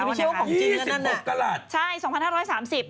ของจีนเงินนั่นนะใช่๒๕๓๐กรัต